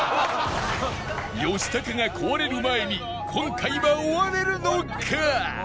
吉高が壊れる前に今回は終われるのか？